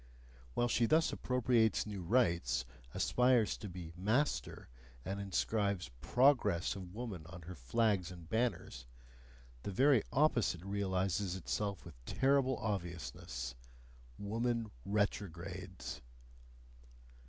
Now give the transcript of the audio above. While she thus appropriates new rights, aspires to be "master," and inscribes "progress" of woman on her flags and banners, the very opposite realises itself with terrible obviousness: WOMAN RETROGRADES.